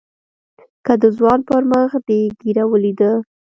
که د ځوان پر مخ دې ږيره وليده.